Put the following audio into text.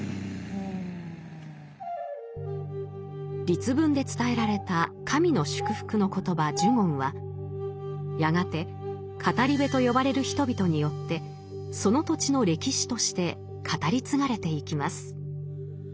律文で伝えられた神の祝福の言葉「呪言」はやがて語部と呼ばれる人々によってその土地の歴史として語り継がれていきます。